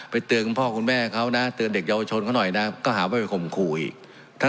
เตือนคุณพ่อคุณแม่เขานะเตือนเด็กเยาวชนเขาหน่อยนะก็หาว่าไปข่มขู่อีก